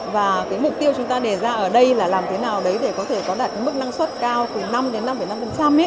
và mục tiêu chúng ta để ra ở đây là làm thế nào để có thể có đạt mức năng suất cao cùng năm năm năm